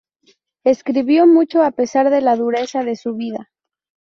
Escribió mucho a pesar de la dureza de su vida.